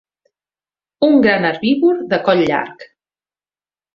Un gran herbívor de coll llarg.